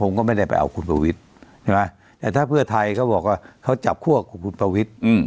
ผมก็ไม่ได้ไปเอาคุณประวิทย์ใช่ไหมแต่ถ้าเพื่อไทยเขาบอกว่าเขาจับคั่วคุณประวิทย์